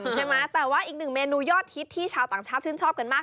ใช่ไหมแต่ว่าอีกหนึ่งเมนูยอดฮิตที่ชาวต่างชาติชื่นชอบกันมาก